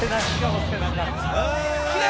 きれい！